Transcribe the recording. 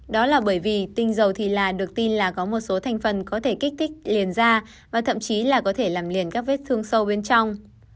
đó là bởi vì tinh dầu thì là được tin là có một số thành phần có thể kích thích liền da và thậm chí là có thể làm liền các vết thương sâu bên trong